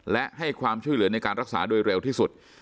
และให้ความช่วยเหลือในการรักษาโดยเร็วที่สุด